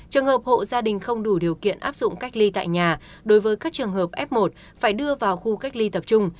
trường hợp hộ gia đình không đủ điều kiện áp dụng cách ly tại nhà đối với các trường hợp f một phải đưa vào khu cách ly tập trung